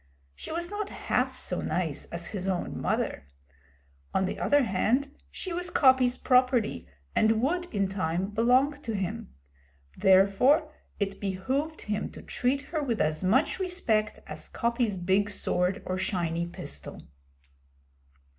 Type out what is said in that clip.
She was not half so nice as his own mother. On the other hand, she was Coppy's property, and would in time belong to him. Therefore it behoved him to treat her with as much respect as Coppy's big sword or shiny pistol.